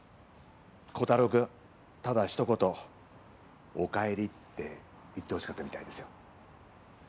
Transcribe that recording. コタローくんただひと言「おかえり」って言ってほしかったみたいですよ。